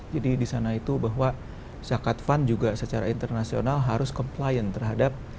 jadi disana itu bahwa zakat fund juga secara internasional harus compliant terhadap